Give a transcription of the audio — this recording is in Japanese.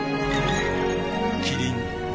キリン「陸」